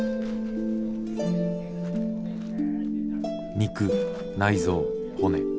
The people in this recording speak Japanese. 肉内臓骨。